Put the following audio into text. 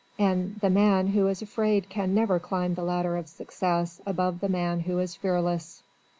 And the man who is afraid can never climb the ladder of success above the man who is fearless.